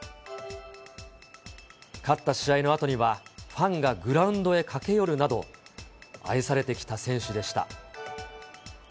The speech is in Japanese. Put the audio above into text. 勝った試合のあとには、ファンがグラウンドへ駆け寄るなど、愛されてきた選手でした。